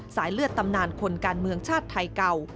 สายเลือดตำนานคนการเมืองชาติไทยเก่า